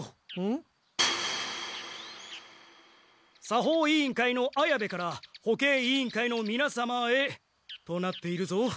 ん？作法委員会の綾部から保健委員会のみな様へとなっているぞ。